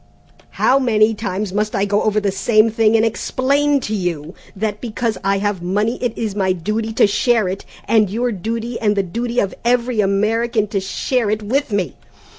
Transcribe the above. How many times must I go over the same thing and explain to you that because I have money it is my duty to share it, and your duty and the duty of every American to share it with me?